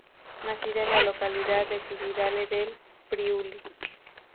Nacida en la localidad de Cividale del Friuli.